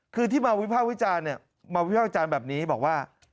คือที่มาวิภาควิจารณ์เนี่ยมาวิภาควิจารณ์แบบนี้บอกว่า